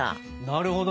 なるほどね。